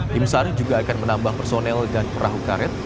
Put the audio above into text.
tim sar juga akan menambah personel dan perahu karet